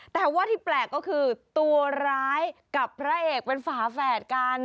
แต่ว่าที่แปลกก็คือตัวร้ายกับพระเอกเป็นฝาแฝดกัน